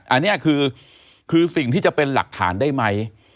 อันนี้คือสิ่งที่จะเป็นหลักฐานได้ไหม